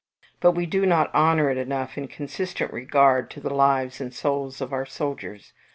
But we do not honour it enough in consistent regard to the lives and souls of our soldiers.